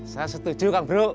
saya setuju kang bro